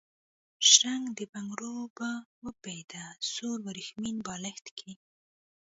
شرنګ د بنګړو، به و بیده سور وریښمین بالښت کي